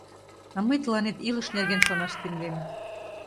А мый тыланет илыш нерген шонаш темлем.